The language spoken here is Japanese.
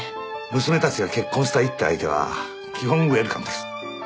娘たちが結婚したいって相手は基本ウエルカムです。